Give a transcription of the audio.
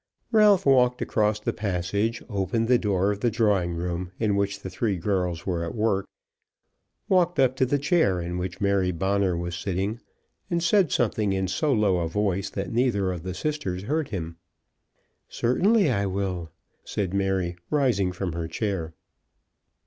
Ralph walked across the passage, opened the door of the drawing room, in which the three girls were at work, walked up to the chair in which Mary Bonner was sitting, and said something in so low a voice that neither of the sisters heard him. "Certainly I will," said Mary, rising from her chair.